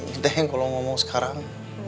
teteh kalau ngomong sekarang